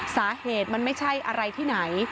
สาเหตุมันไม่ใช่อะไรที่ไหน